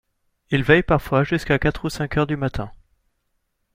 Il veille parfois jusqu’à quatre ou cinq heures du matin.